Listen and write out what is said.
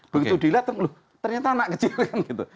begitu dilatih ternyata anak kecil kan gitu